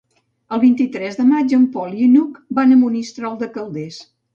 El vint-i-tres de maig en Pol i n'Hug van a Monistrol de Calders.